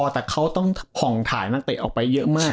แต่เขาต้องผ่องถ่ายนักเตะออกไปเยอะมาก